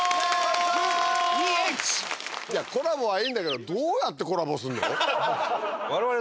コラボはいいんだけどどうやってコラボするの？